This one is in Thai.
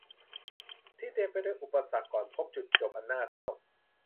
ที่เต็มไปด้วยอุปสรรคก่อนพบจุดจบอันน่าเศร้า